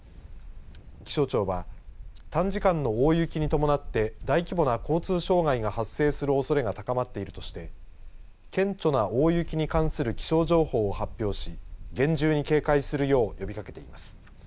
気象庁は短時間の大雪に伴って大規模な交通障害が発生するおそれが高まっているとして顕著な大雪に関する気象情報を発表し厳重に警戒するよう呼びかけています。